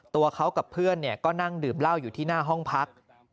ตัวเขากับเพื่อนก็นั่งดื่มเหล้าอยู่ที่หน้าห้องพัก